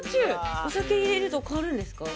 お酒入れると変わるんですか？